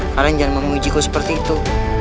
kalian jangan memujiku seperti itu